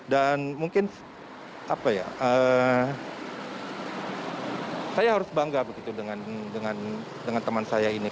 dan mungkin apa ya saya harus bangga dengan teman saya ini